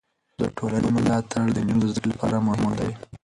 د ټولنې ملاتړ د نجونو د زده کړې لپاره مهم دی.